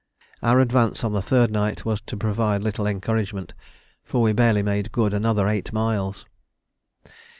Our advance on the third night was to provide little encouragement, for we barely made good another eight miles.